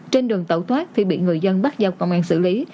trên đường tẩu thoát thì bị người dân bắt giao công an xử lý